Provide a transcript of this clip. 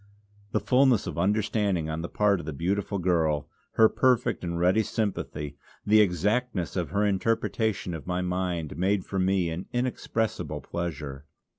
The fulness of understanding on the part of the beautiful girl, her perfect and ready sympathy, the exactness of her interpretation of my mind, made for me an inexpressible pleasure.